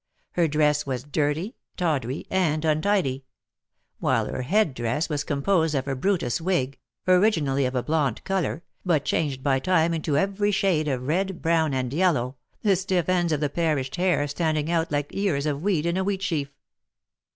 Her dress was dirty, tawdry, and untidy; while her head dress was composed of a Brutus wig, originally of a blond colour, but changed by time into every shade of red, brown, and yellow, the stiff ends of the perished hair standing out like the ears of wheat in a wheat sheaf.